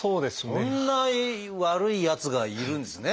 そんな悪いやつがいるんですね。